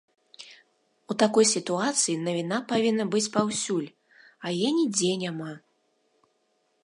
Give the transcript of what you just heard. У такой сітуацыі навіна павінна быць паўсюль, а яе нідзе няма.